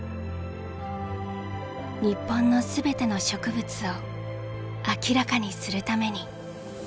日本の全ての植物を明らかにするために。